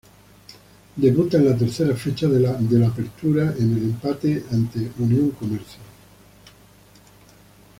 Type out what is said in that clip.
Debuta en la tercera fecha del Apertura en el empate ante Unión Comercio.